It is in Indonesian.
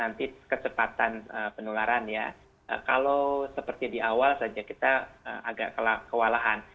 nanti kecepatan penularan ya kalau seperti di awal saja kita agak kewalahan